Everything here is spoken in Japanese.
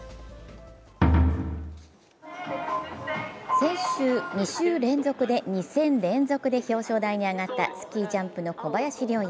先週２戦連続で表彰台に上がったスキージャンプの小林陵侑。